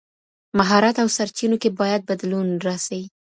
مهارت او سرچینو کي باید بدلون راسي.